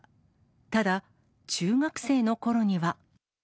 ただ、中学生のころには。